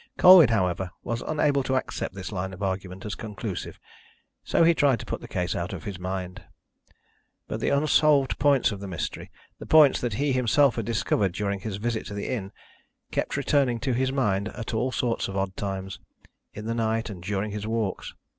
Colwyn, however, was unable to accept this line of argument as conclusive, so he tried to put the case out of his mind. But the unsolved points of the mystery the points that he himself had discovered during his visit to the inn kept returning to his mind at all sorts of odd times, in the night, and during his walks.